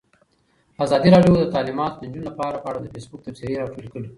ازادي راډیو د تعلیمات د نجونو لپاره په اړه د فیسبوک تبصرې راټولې کړي.